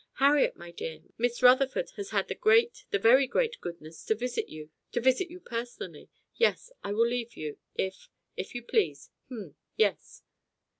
Harriet, my dear, Miss Rutherford has had the great, the very great, goodness to visit you to visit you personally yes. I will leave you, if if you please h'm, yes."